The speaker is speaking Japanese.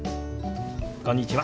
こんにちは！